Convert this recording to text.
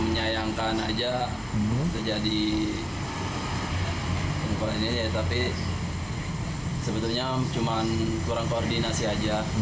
menyayangkan aja sejadi pengeroyokan ini ya tapi sebenarnya cuma kurang koordinasi aja